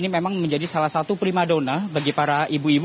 ini memang menjadi salah satu prima dona bagi para ibu ibu